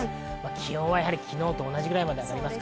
気温は昨日と同じくらいまで上がります。